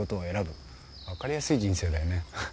分かりやすい人生だよね。